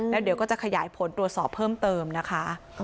แล้วเดี๋ยวก็จะขยายผลตรวจสอบเพิ่มเติมนะคะ